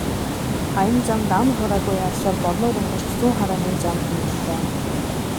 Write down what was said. Аян замд ам хуурайгүй явсаар Борнуур өнгөрч Зүүнхараагийн замд нийллээ.